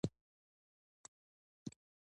• د انګورو باغونه پراخ وي.